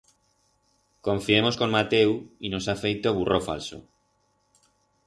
Confiemos con Mateu y nos ha feito burro falso.